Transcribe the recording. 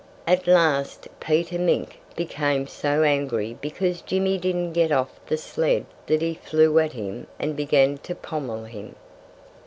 At last Peter Mink became so angry because Jimmy didn't get off the sled that he flew at him and began to pommel him.